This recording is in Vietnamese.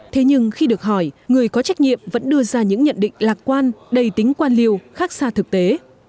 thế nhưng khi được hỏi người có trách nhiệm vẫn đưa ra những nhận định lạc quan đầy tính quan liêu khác xa thực tế